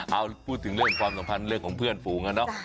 เอาพูดถึงเรื่องความสัมพันธ์เรื่องของเพื่อนฝูงอะเนาะ